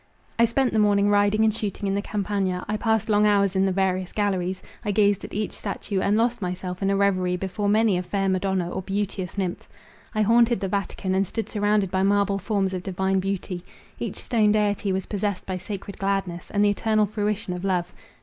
I spent the morning riding and shooting in the Campagna—I passed long hours in the various galleries—I gazed at each statue, and lost myself in a reverie before many a fair Madonna or beauteous nymph. I haunted the Vatican, and stood surrounded by marble forms of divine beauty. Each stone deity was possessed by sacred gladness, and the eternal fruition of love.